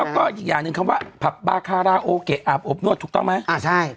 แล้วก็อีกอย่างหนึ่งคำว่าอาบอบนวดถูกต้องไหมอ่าใช่